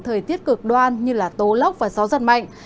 thời tiết cực đoan như tố lốc và gió giật mạnh